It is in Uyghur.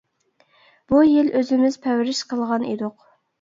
بۇ يىل ئۆزىمىز پەرۋىش قىلغان ئىدۇق.